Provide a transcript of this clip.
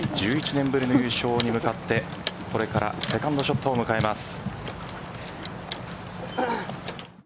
１１年ぶりの優勝に向かってこれからセカンドショットを迎えます。